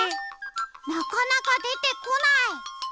なかなかでてこない。